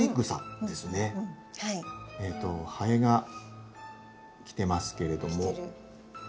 ハエが来てますけれども。来てる。